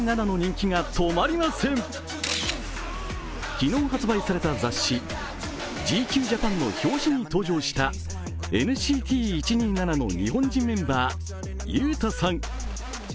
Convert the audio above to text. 昨日発売された雑誌「ＧＱＪＡＰＡＮ」の表紙に登場したＮＣＴ１２７の日本人メンバーＹＵＴＡさん。